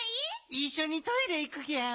いっしょにトイレいくギャオ。